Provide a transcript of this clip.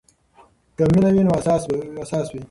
که مینه وي نو اساس وي.